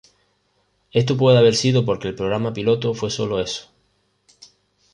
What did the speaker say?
Esto puede haber sido porque el programa piloto fue sólo eso.